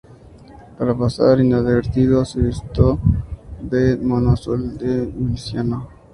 Para pasar inadvertido se vistió con un mono azul de miliciano.